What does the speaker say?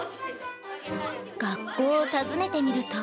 学校を訪ねてみると。